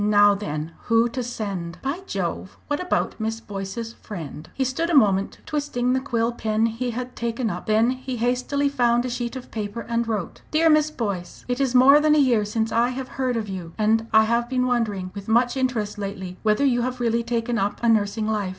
Now then who to send? By Jove! what about Miss Boyce's friend?" He stood a moment twisting the quill pen he had taken up, then he hastily found a sheet of paper and wrote: "Dear Miss Boyce, It is more than a year since I have heard of you, and I have been wondering with much interest lately whether you have really taken up a nursing life.